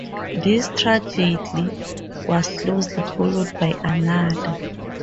This tragedy was closely followed by another.